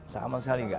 sama sekali gak ada